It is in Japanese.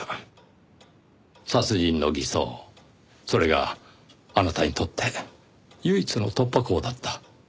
殺人の偽装それがあなたにとって唯一の突破口だった。